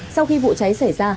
sau khi vụ cháy xảy ra